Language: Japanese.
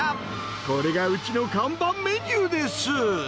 これがうちの看板メニューです。